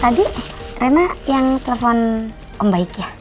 tadi reina yang telepon om baik ya